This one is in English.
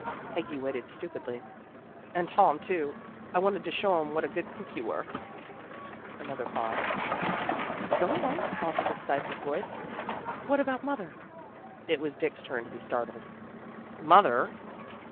Peggy waited stupidly. " And Tom, too. I wanted to show 'em what a good cook you were." Another pause. " Go on," prompted a stifled voice. " What about mother? " It was Dick's turn to be startled. " Mother?